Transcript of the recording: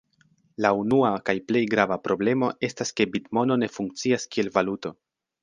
La unua kaj plej grava problemo estas ke bitmono ne funkcias kiel valuto.